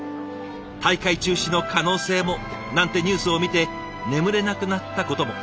「大会中止の可能性も」なんてニュースを見て眠れなくなったことも。